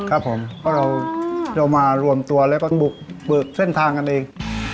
ครับผมเพราะเรามารวมตัวแล้วก็บุกเบิกเส้นทางกันเอง